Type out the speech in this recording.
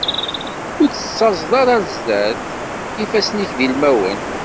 Ur d-tettaẓeḍ ara zdat-i ifassen-ik d ilmawen.